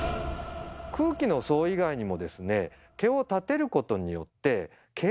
空気の層以外にもですね